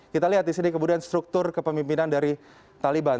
kita lihat disini kemudian struktur kepemimpinan dari taliban